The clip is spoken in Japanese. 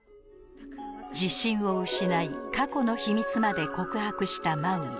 自信を失い過去の秘密まで告白したマウイ